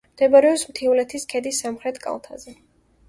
მდებარეობს მთიულეთის ქედის სამხრეთ კალთაზე.